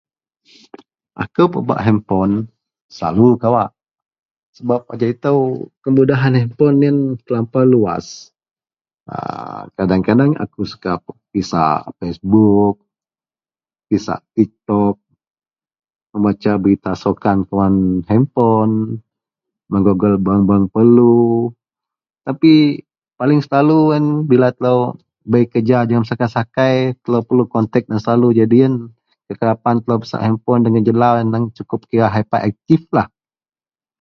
Akou pebak henpon selalu kawak sebab ajau itou kemudahan henpon yen terlampau luwaih. A kadeng-kadeng akou suka bak pisak Facebook, pisak Tik Tok, membaca berita sukan kuman henpon, megogel bareng-bareng perelu tapi paling selalu yen bila telou bei kereja jegem sakai-sakai telou perelu kontek loyen selalu jadi yen kekerapan telou pisak henpon dagen jelau neng cukup kira haipa aktiflah